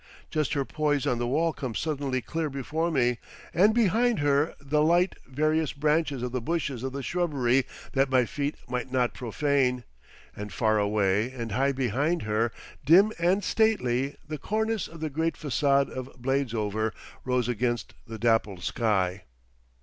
Just her poise on the wall comes suddenly clear before me, and behind her the light various branches of the bushes of the shrubbery that my feet might not profane, and far away and high behind her, dim and stately, the cornice of the great façade of Bladesover rose against the dappled sky.